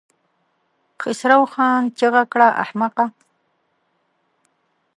خسرو خان چيغه کړه! احمقه!